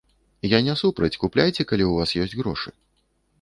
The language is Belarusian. Я не супраць, купляйце, калі ў вас ёсць грошы.